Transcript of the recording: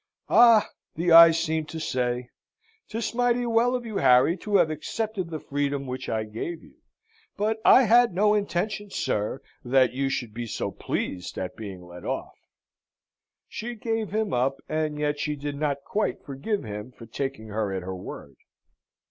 "Ah!" the eyes seemed to say, "'tis mighty well of you, Harry, to have accepted the freedom which I gave you; but I had no intention, sir, that you should be so pleased at being let off." She gave him up, but yet she did not quite forgive him for taking her at her word.